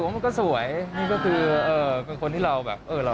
ไม่ต้องถึงไปเรียวโลนะ